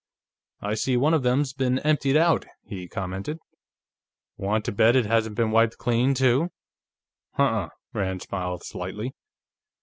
"I see one of them's been emptied out," he commented. "Want to bet it hasn't been wiped clean, too?" "Huh unh." Rand smiled slightly.